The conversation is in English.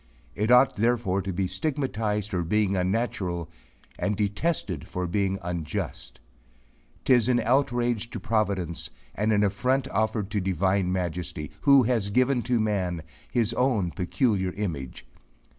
It ought therefore to be stigmatized for being unnatural; and detested for being unjust. Tis an outrage to providence and an affront offered to divine Majesty, who has given to man his own peculiar image.